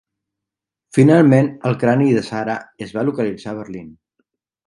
Finalment, el crani de Sara es va localitzar a Berlín.